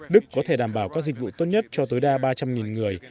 đức có thể đảm bảo các dịch vụ tốt nhất cho tối đa ba trăm linh người